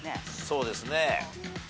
そうですね。